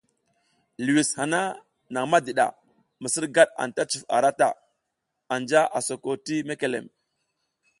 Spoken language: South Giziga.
Liwis hana nang madiɗa, misirgad anta cuf ara ta, anja a soko ti mekelem.